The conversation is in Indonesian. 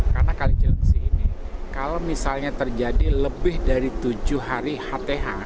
karena kali cilengsi ini kalau misalnya terjadi lebih dari tujuh hari hth